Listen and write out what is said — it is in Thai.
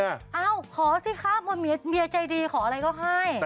เอ้าขอสิครับพอเมียใจดีขออะไรก็ให้